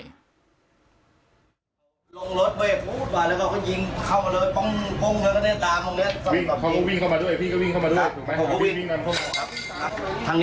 ขังนี้มันไปไม่ได้อีกอย่างไง